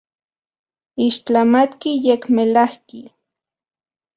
Ixtlamatki, yekmelajki.